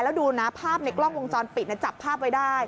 แล้วดูนะภาพในกล้องวงจรปิดจับภาพไว้ได้